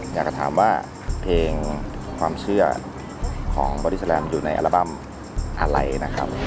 อยากจะถามว่าเพลงความเชื่อของบอดี้แลมอยู่ในอัลบั้มอะไรนะครับ